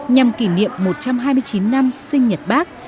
nhằm kỷ niệm một trăm hai mươi chín năm sinh nhật bác